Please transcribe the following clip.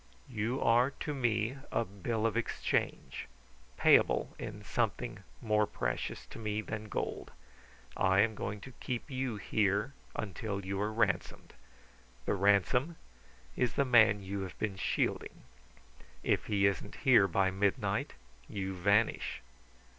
"You are to me a bill of exchange, payable in something more precious to me than gold. I am going to keep you here until you are ransomed. The ransom is the man you have been shielding. If he isn't here by midnight you vanish.